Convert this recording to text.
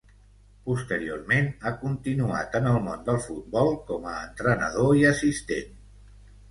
Posteriorment ha continuat en el món del futbol com a entrenador i assistent.